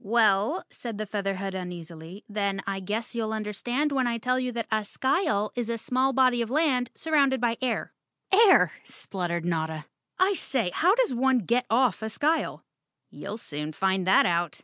"Well," said the Featherhead uneasily, "then I guess you'll understand when I tell you that a skyle is a small body of land entirely surrounded by air." "Air!" spluttered Notta. "I say, how does one get off a skyle?" "You'll soon find that out!"